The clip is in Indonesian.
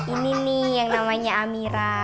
ini nih yang namanya amira